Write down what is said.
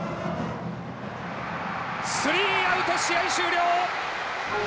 スリーアウト試合終了！